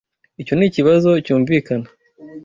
Icyo nikibazo cyumvikana.